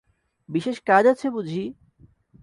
বিশেষ কাজ আছে বুঝি?